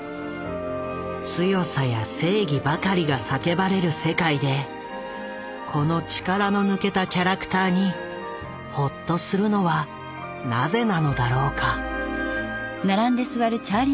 強さや正義ばかりが叫ばれる世界でこの力の抜けたキャラクターにほっとするのはなぜなのだろうか？